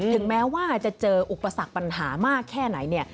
ถึงแม้ว่าจะเจออุปสรรคปัญหามากแค่ไหนเนี่ย